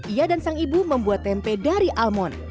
ia dan sang ibu membuat tempe dari almond